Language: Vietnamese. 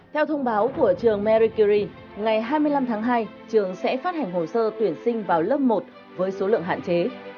theo thông báo của trường marakiri ngày hai mươi năm tháng hai trường sẽ phát hành hồ sơ tuyển sinh vào lớp một với số lượng hạn chế